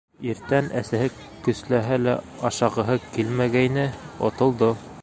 Иртән әсәһе көсләһә лә ашағыһы килмәгәйне, отолдо.